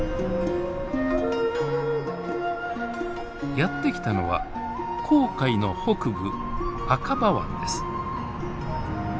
やって来たのは紅海の北部アカバ湾です。